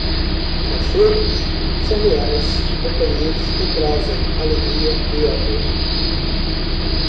Cachorros são leais companheiros que trazem alegria e amor.